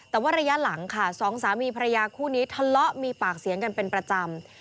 แต่ว่าระยะหลังค่ะสองสามีภรรยาคู่นี้ทะเลาะมีปากเสียงกันเป็นประจำ